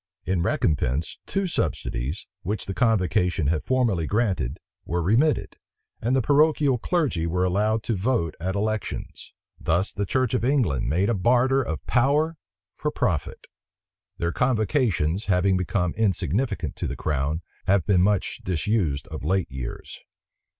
In recompense, two subsidies, which the convocation had formerly granted, were remitted, and the parochial clergy were allowed to vote at elections. Thus the church of England made a barter of power for profit. Their convocations, having become insignificant to the crown, have been much disused of late years.